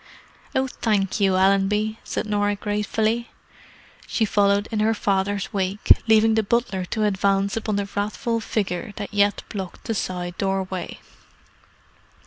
"Oh, thank you, Allenby," said Norah gratefully. She followed in her father's wake, leaving the butler to advance upon the wrathful figure that yet blocked the side doorway.